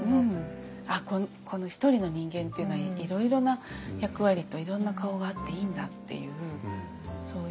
あっこのひとりの人間っていうのはいろいろな役割といろんな顔があっていいんだっていうそういう。